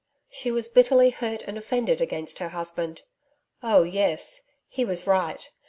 She was bitterly hurt and offended against her husband. Oh, yes. He was right.